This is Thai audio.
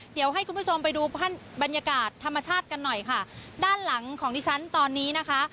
เดี๋ยวให้คุณผู้ชมไปดูบรรยากาศธรรมชาติกันหน่อยค่ะด้านหลังของดิฉันตอนนี้นะคะ